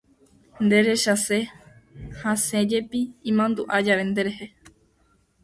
Nderechase, hasẽjepi imandu'a jave nderehe.